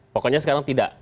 pokoknya sekarang tidak